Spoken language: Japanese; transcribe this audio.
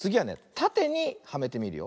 たてにはめてみるよ。